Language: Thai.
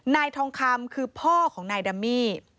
นายทองคำคือพ่อของนายดัมมี่